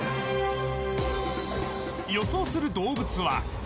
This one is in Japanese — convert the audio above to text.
予想する動物は。